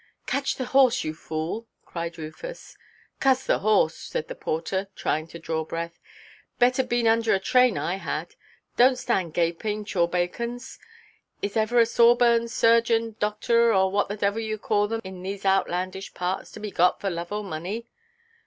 "Catch the horse, you fool!" cried Rufus. "Cuss the horse," said the porter, trying to draw breath; "better been under a train I had. Donʼt stand gaping, chawbacons. Is ever a sawbones, surgeon, doctor, or what the devil you call them in these outlandish parts, to be got for love or money?"